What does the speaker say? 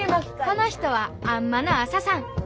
この人はあん摩のアサさん。